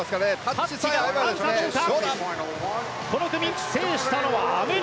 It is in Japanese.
タッチが合うかどうか。